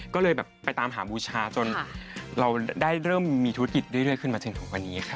ก็เลยแบบไปตามหาบูชาจนเราได้เริ่มมีธุรกิจเรื่อยขึ้นมาจนถึงวันนี้ค่ะ